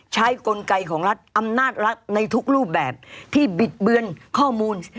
กลไกของรัฐอำนาจรัฐในทุกรูปแบบที่บิดเบือนข้อมูล